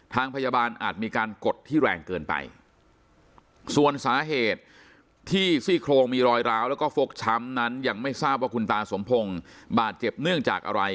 ทางพยาบาลอาจมีการกดที่แรงเกินไปส่วนสาเหตุที่ซี่โครงมีรอยร้าวแล้วก็ฟกช้ำนั้นยังไม่ทราบว่าคุณตาสมพงศ์บาดเจ็บเนื่องจากอะไร